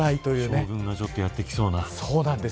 将軍がちょっとやってきそうな。